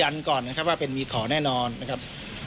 น่ะครับ